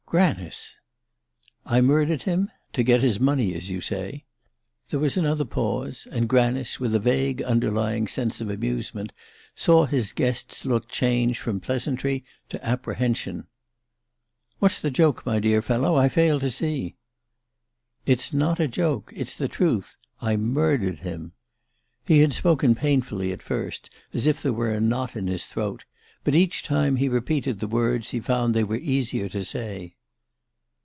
"Granice!" "I murdered him to get his money, as you say." There was another pause, and Granice, with a vague underlying sense of amusement, saw his guest's look change from pleasantry to apprehension. "What's the joke, my dear fellow? I fail to see." "It's not a joke. It's the truth. I murdered him." He had spoken painfully at first, as if there were a knot in his throat; but each time he repeated the words he found they were easier to say.